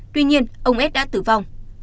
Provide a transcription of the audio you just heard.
tuy nhiên ông s đã tử vong